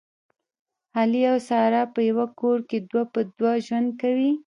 علي او ساره په یوه کور کې دوه په دوه ژوند کوي